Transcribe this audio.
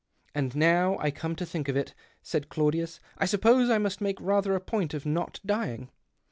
" And now I come to think of it," said Claudius, " I suppose I must make rather a point of not dying